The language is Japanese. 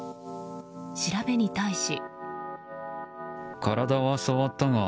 調べに対し。